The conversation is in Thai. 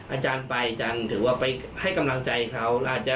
อาจารย์ไปอาจารย์ถือว่าไปให้กำลังใจเขา